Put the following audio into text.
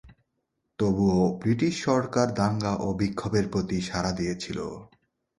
তবুও ব্রিটিশ সরকার দাঙ্গা ও বিক্ষোভের প্রতি সাড়া দিয়েছিল।